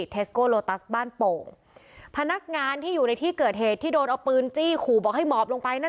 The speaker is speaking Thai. เทสโกโลตัสบ้านโป่งพนักงานที่อยู่ในที่เกิดเหตุที่โดนเอาปืนจี้ขู่บอกให้หมอบลงไปนั่น